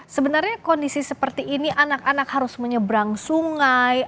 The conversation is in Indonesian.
sebenarnya kondisi seperti ini anak anak harus menyeberang sungai